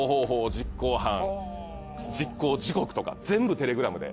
実行犯実行時刻とか全部テレグラムで。